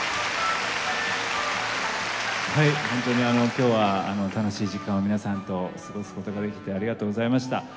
本当に今日は楽しい時間を皆さんと過ごすことができてありがとうございました。